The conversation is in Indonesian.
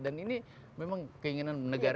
dan ini memang keinginan negara